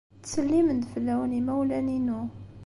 Ttselimen-d fell-awen yimawlan-inu.